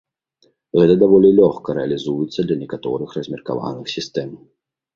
Гэта даволі лёгка рэалізуецца для некаторых размеркаваных сістэм.